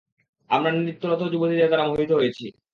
আমরা নৃত্যরত যুবতীদের দ্বারা মোহিত হয়েছি।